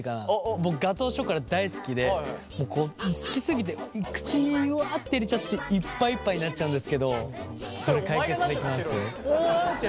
僕ガトーショコラ大好きで好きすぎて口にわあって入れちゃっていっぱいいっぱいになっちゃうんですけどそれ解決できます？